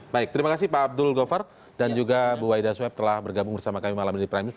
baik terima kasih pak abdul govar dan juga bu waidah swep telah bergabung bersama kami malam ini di prime news